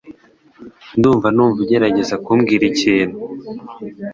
Ndumva numva ugerageza kumbwira ikintu.